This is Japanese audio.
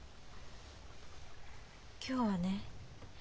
今日はね